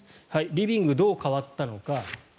リビング、どう変わったのか。